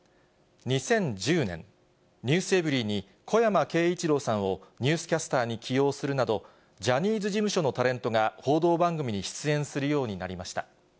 ２０１０年、ｎｅｗｓｅｖｅｒｙ．に小山慶一郎さんをニュースキャスターに起用するなど、ジャニーズ事務所のタレントが報道番組に出演するようになりました。